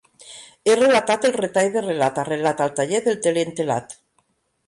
He relatat el retall de relat arrelat al taller del teler entelat.